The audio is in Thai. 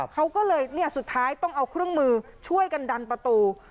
เขาก็เลยสุดท้ายต้องเอาเครื่องมือช่วยกันดันประตู